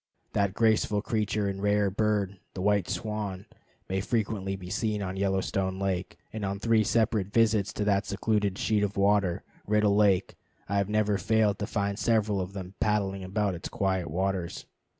That graceful creature and rare bird, the white swan, may frequently be seen on Yellowstone Lake, and on three separate visits to that secluded sheet of water, Riddle Lake, I have never failed to find several of them paddling about in its quiet waters.